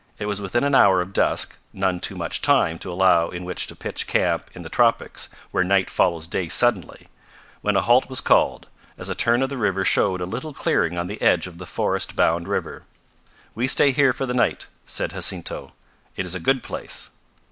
It was within an hour of dusk none too much time to allow in which to pitch camp in the tropics, where night follows day suddenly when a halt was called, as a turn of the river showed a little clearing on the edge of the forest bound river. "We stay here for the night," said Jacinto. "It is a good place."